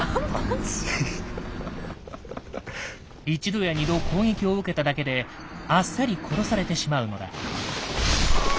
１度や２度攻撃を受けただけであっさり殺されてしまうのだ。